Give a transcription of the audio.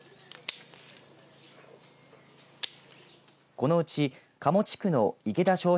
このうち加茂地区の池田しょう